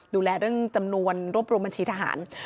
ดูแลเรื่องจำนวนรวบรวมบัญชีทหาร